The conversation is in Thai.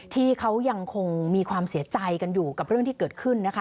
ที่เขายังคงมีความเสียใจกันอยู่กับเรื่องที่เกิดขึ้นนะคะ